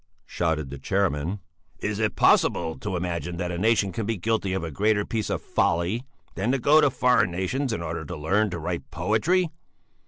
shouted the chairman. "Is it possible to imagine that a nation can be guilty of a greater piece of folly than to go to foreign nations in order to learn to write poetry?